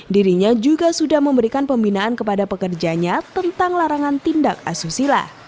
dirinya juga sudah memberikan pembinaan kepada pekerjanya tentang larangan tindak asusila